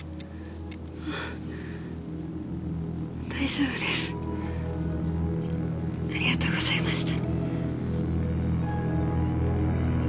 あ大丈夫です。ありがとうございました。